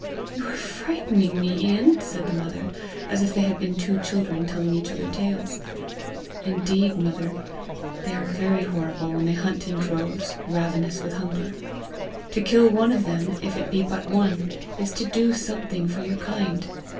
"You are frightening me, Ian!" said the mother, as if they had been two children telling each other tales. "Indeed, mother, they are very horrible when they hunt in droves, ravenous with hunger. To kill one of them, if it be but one, is to do something for your kind.